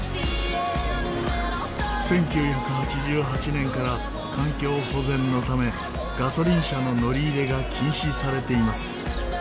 １９８８年から環境保全のためガソリン車の乗り入れが禁止されています。